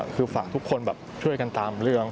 คือฝากทุกคนแบบช่วยกันตามเรื่อง